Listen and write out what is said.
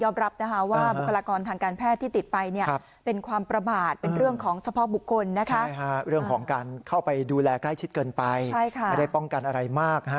ไม่ได้ป้องกันอะไรมาก